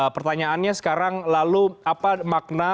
pertanyaannya sekarang lalu apa makna